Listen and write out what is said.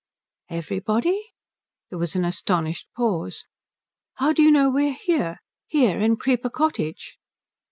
"Everybody?" There was an astonished pause. "How do you know we're here here, in Creeper Cottage?"